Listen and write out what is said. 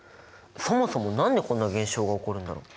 そもそも何でこんな現象が起こるんだろう！？